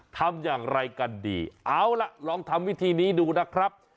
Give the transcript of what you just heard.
ทำอย่างไรกันดีเอาล่ะลองทำวิธีนี้ดูนะครับ